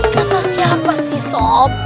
kata siapa sih sob